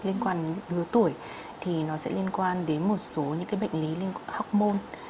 liên quan đến lứa tuổi thì nó sẽ liên quan đến một số những bệnh lý liên quan đến học môn